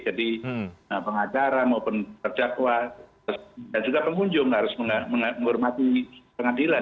jadi pengacara maupun pecah kuat dan juga pengunjung harus menghormati pengadilan